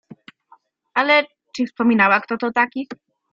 "Ale, czy wspominała, kto to taki?"